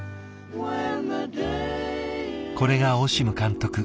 これがオシム監督